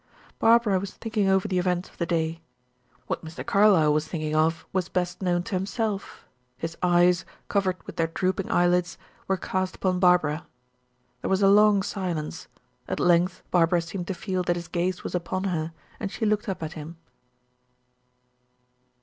Barbara was thinking over the events of the day. What Mr. Carlyle was thinking of was best known to himself; his eyes, covered with their drooping eyelids, were cast upon Barbara. There was a long silence, at length Barbara seemed to feel that his gaze was upon her, and she looked up at him.